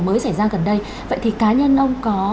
mới xảy ra gần đây vậy thì cá nhân ông có